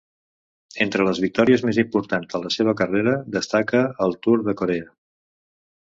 Entre les victòries més importants de la seva carrera destaca el Tour de Corea.